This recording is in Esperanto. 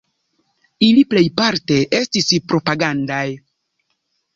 Ili plejparte estis propagandaj.